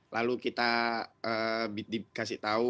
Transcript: lalu kita dikasih tahu